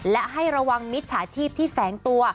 และให้ระวังมิจฉาชีพที่แฝงตัว